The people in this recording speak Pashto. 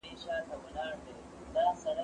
زه پرون کالي وچول!!